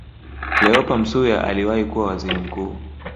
Cleopa Msuya aliyewahi kuwa Waziri Mkuu